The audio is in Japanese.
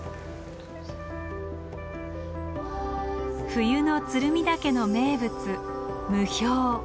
冬の鶴見岳の名物霧氷。